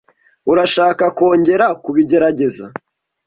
Urashaka kongera kubigerageza?